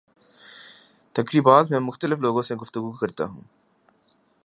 تقریبات میں مختلف لوگوں سے گفتگو کرتا ہوں